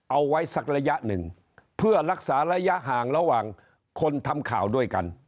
เอาไว้สักระยะหนึ่งเพื่อรักษาระยะห่างระหว่างคนทำข่าวด้วยกัน